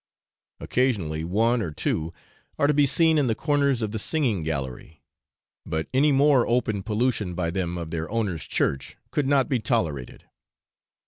Occasionally one or two are to be seen in the corners of the singing gallery, but any more open pollution by them of their owners' church could not be tolerated.